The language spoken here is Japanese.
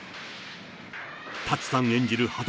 舘さん演じるはと